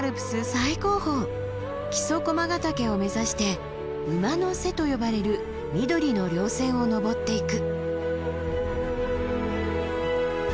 最高峰木曽駒ヶ岳を目指して「馬の背」と呼ばれる緑の稜線を登っていく。